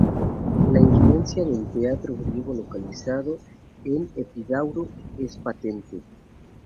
La influencia del teatro griego localizado en Epidauro es patente.